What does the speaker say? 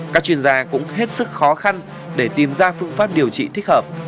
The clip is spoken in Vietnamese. các chuyên gia cũng hết sức khó khăn để tìm ra phương pháp điều trị thích hợp